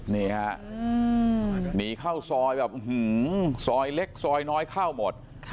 นี่ฮะหนีเข้าซอยแบบซอยเล็กซอยน้อยเข้าหมด